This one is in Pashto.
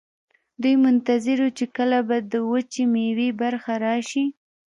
دوی منتظر وو چې کله به د وچې میوې برخه راشي.